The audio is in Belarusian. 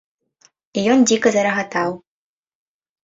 І ён дзіка зарагатаў.